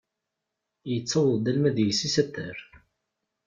Yettaweḍ-d alamma d iles-is ad terr.